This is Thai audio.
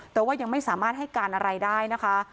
แต่ว่ายังไม่สามารถให้การอะไรได้นะคะ